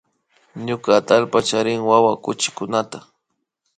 Ñuka atallpa charin wawa chuchikunata